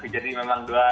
jadi memang dua